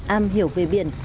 am hiểu về biển